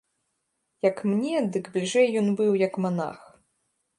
Як мне, дык бліжэй ён быў як манах.